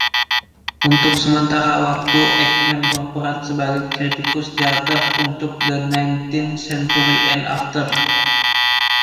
Untuk sementara waktu, Aickman berperan sebagai kritikus teater untuk "The Nineteenth Century and After".